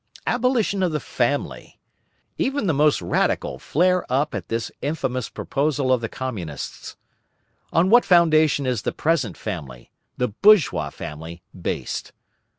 Abolition of the family! Even the most radical flare up at this infamous proposal of the Communists. On what foundation is the present family, the bourgeois family, based?